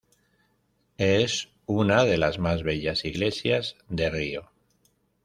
Es una de las más bellas iglesias de Río.